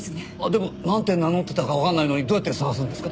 でもなんて名乗ってたかわからないのにどうやって探すんですか？